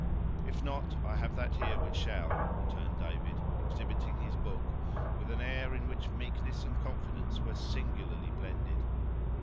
"If not, I have that here which shall," returned David, exhibiting his book, with an air in which meekness and confidence were singularly blended.